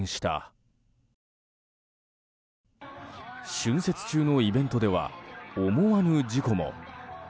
春節中のイベントでは思わぬ事故も。